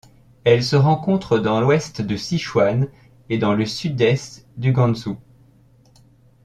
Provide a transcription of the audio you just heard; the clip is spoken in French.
Elle se rencontre dans l'ouest du Sichuan et dans le sud-est du Gansu.